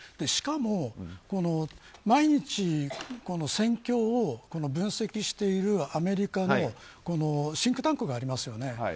しかも毎日、戦況を分析しているアメリカのシンクタンクがありますよね。